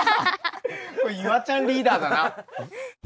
これ夕空ちゃんリーダーだな。